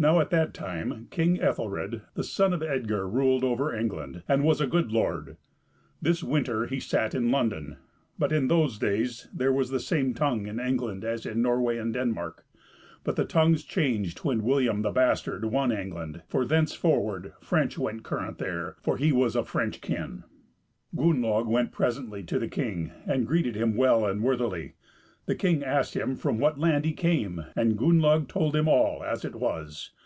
Now at that time King Ethelred, the son of Edgar, ruled over England, and was a good lord; this winter he sat in London. But in those days there was the same tongue in England as in Norway and Denmark; but the tongues changed when William the Bastard won England, for thenceforward French went current there, for he was of French kin. Gunnlaug went presently to the king, and greeted him well and worthily, The king asked him from what land he came, and Gunnlaug told him all as it was.